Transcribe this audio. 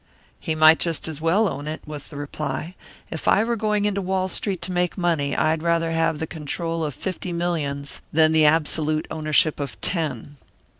"He might just as well own it," was the reply. "If I were going into Wall Street to make money, I'd rather have the control of fifty millions than the absolute ownership of ten."